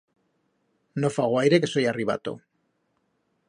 No fa guaire que soi arribato.